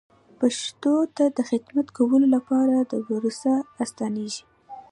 پښتو ته د خدمت کولو لپاره دا پروسه اسانېږي.